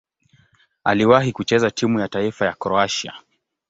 Aliwahi kucheza timu ya taifa ya Kroatia.